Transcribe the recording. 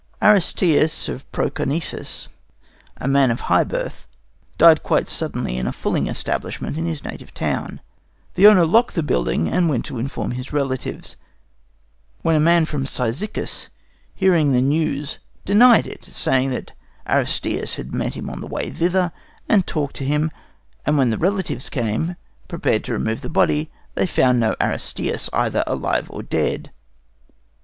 Aristeas of Proconesus, a man of high birth, died quite suddenly in a fulling establishment in his native town. The owner locked the building and went to inform his relatives, when a man from Cyzicus, hearing the news, denied it, saying that Aristeas had met him on the way thither and talked to him; and when the relatives came, prepared to remove the body, they found no Aristeas, either alive or dead.